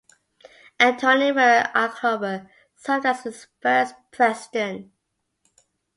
Antoni Maria Alcover served as its first president.